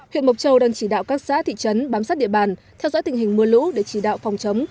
huyện mộc châu đang chỉ đạo các xã thị trấn bám sát địa bàn theo dõi tình hình mưa lũ để chỉ đạo phòng chống